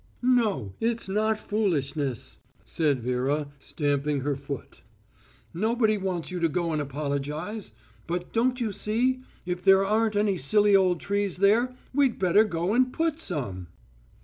"No, it's not foolishness," said Vera, stamping her toot. "Nobody wants you to go and apologise. But, don't you see, if there aren't any silly old trees there we'd better go and put some."